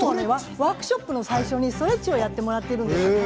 ワークショップの最初にストレッチをやっていただいています。